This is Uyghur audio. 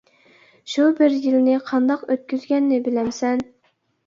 شۇ بىر يىلنى قانداق ئۆتكۈزگەننى بىلەمسەن.